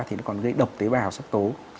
thì nó còn gây độc tế bào sắc tố